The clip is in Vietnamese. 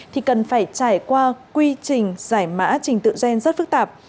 thì cần phải trải qua quy trình giải mã trình tự gen rất phức tạp